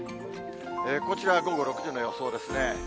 こちら、午後６時の予想ですね。